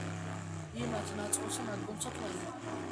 იმათ ნაწოლსა ნადგომსა თვალი